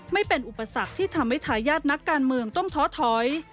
ไม่เป็นอุปสรรคที่ทำให้ทายาทนักการเมืองต้องท้อถอย